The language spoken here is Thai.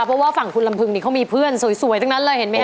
เพราะว่าฝั่งคุณลำพึงนี่เขามีเพื่อนสวยทั้งนั้นเลยเห็นไหมค